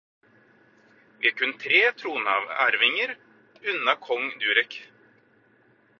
Vi er kun tre tronarvinger unna Kong Durek